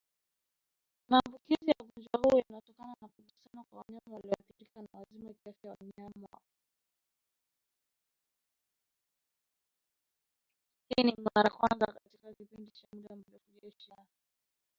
Hii ni mara ya kwanza katika kipindi cha muda mrefu Jeshi la